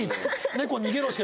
「猫逃げろ」しか。